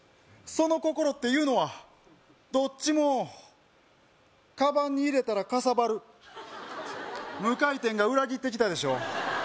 その心っていうのはどっちもカバンに入れたらかさばる無回転が裏切ってきたでしょ？